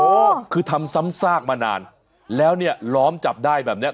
โอ้โหคือทำซ้ำซากมานานแล้วเนี่ยล้อมจับได้แบบเนี้ย